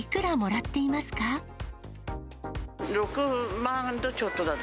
６万とちょっとだね。